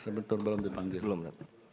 sebetulnya belum dipanggil